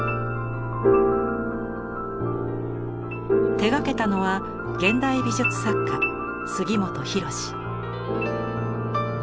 手がけたのは現代美術作家杉本博司。